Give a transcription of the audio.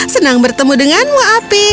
senang bertemu denganmu api